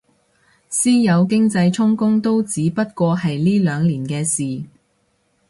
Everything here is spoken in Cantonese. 私有經濟充公都只不過係呢兩年嘅事